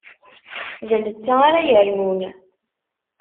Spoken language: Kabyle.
D netta ara yernun.